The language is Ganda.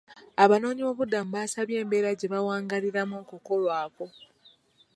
Abanoonyiboobubudamu baasabye embeera gye bawangaaliramu okukolwako.